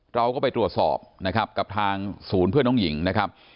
เราก็ไปตรวจสอบนะครับกับทางศูนย์เพื่อนน้องหญิงนะครับ